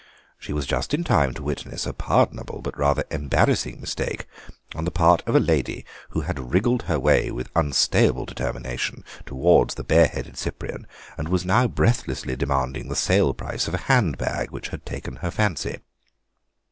She was just in time to witness a pardonable but rather embarrassing mistake on the part of a lady who had wriggled her way with unstayable determination towards the bareheaded Cyprian, and was now breathlessly demanding the sale price of a handbag which had taken her fancy.